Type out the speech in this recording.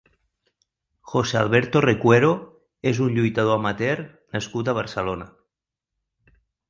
José Alberto Recuero és un lluitador amateur nascut a Barcelona.